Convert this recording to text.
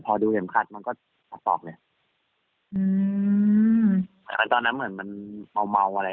พอดูเห็มขัดมันก็ตอบเลยตอนนั้นเหมือนมันเมาอะไร